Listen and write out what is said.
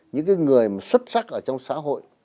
những cái người mà xuất sắc ở trong xã hội